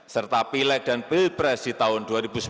serta pilek dan pilpres di tahun dua ribu sembilan belas